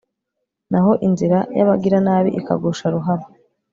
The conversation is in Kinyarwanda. naho inzira y'abagiranabi ikagusha ruhabo